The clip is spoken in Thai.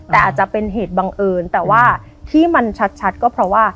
แต่อาจจะเป็นเหตุบังเอิญแต่ว่าที่มันชัดก็เพราะว่า